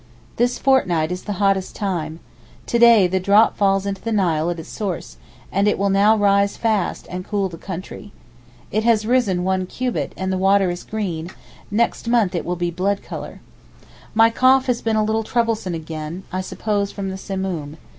This fortnight is the hottest time. To day the drop falls into the Nile at its source, and it will now rise fast and cool the country. It has risen one cubit, and the water is green; next month it will be blood colour. My cough has been a little troublesome again, I suppose from the Simoom.